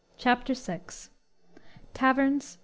"_ CHAPTER VI. TAVERNS.